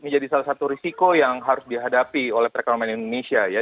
ya memang ini menjadi salah satu risiko yang harus dihadapi oleh perekonomian indonesia ya